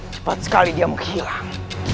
cepat sekali dia menghilang